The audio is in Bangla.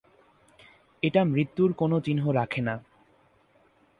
এটা মৃত্যুর কোন চিহ্ন রাখে না।